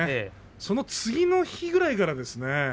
その次の日ぐらいからですね。